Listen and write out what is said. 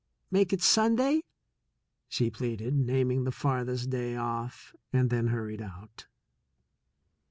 "Make it Sunday," she pleaded, naming the farthest day off, and then hurried out.